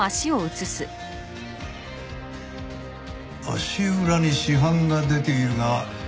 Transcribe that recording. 足裏に死斑が出ているが。